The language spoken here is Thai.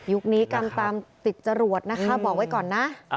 นี้กรรมตามติดจรวดนะคะบอกไว้ก่อนนะ